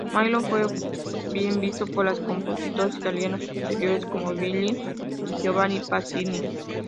Mayr fue bien visto por los compositores italianos posteriores, como Bellini y Giovanni Pacini.